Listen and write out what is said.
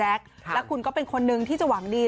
แล้วคุณก็เป็นคนนึงที่จะหวังดี